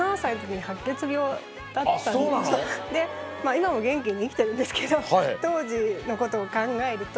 今も元気に生きてるんですけど当時のことを考えると。